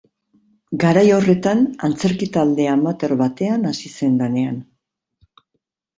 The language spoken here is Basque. Garai horretan, antzerki-talde amateur batean hasi zen lanean.